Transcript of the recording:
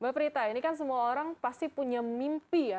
mbak prita ini kan semua orang pasti punya mimpi ya